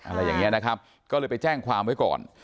อะไรอย่างนี้นะครับก็เลยไปแจ้งความไว้ก่อน